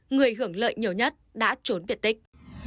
người hưởng lợi nhiều nhất đã trốn biệt tích